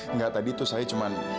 enggak tadi tuh saya cuma